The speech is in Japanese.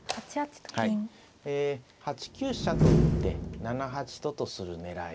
え８九飛車と打って７八ととする狙いですね。